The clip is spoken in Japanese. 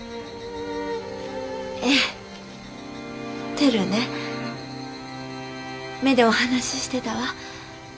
テルね目でお話ししてたわ。